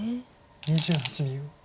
２８秒。